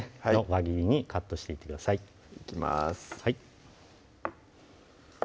輪切りにカットしていってくださいいきます